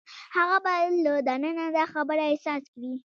هغه باید له دننه دا خبره احساس کړي.